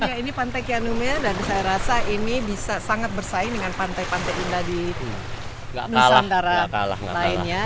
ya ini pantai kianume dan saya rasa ini bisa sangat bersaing dengan pantai pantai indah di nusantara lainnya